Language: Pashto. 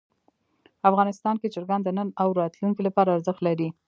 افغانستان کې چرګان د نن او راتلونکي لپاره ارزښت لري.